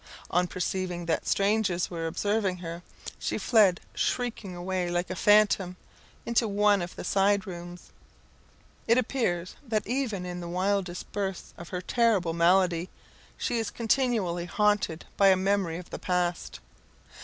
On perceiving that strangers were observing her, she fled shrieking away like a phantom into one of the side rooms. It appears that even in the wildest bursts of her terrible malady, she is continually haunted by a memory of the past.